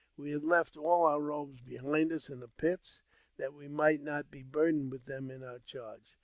We had left all our robes behind us in the pit, that we might not be burdened with them in our charge.